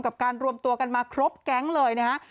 การรวมตัวกันมาครบแก๊งเลยนะฮะ